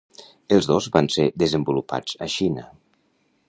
Els dos van ser desenvolupats a Xina.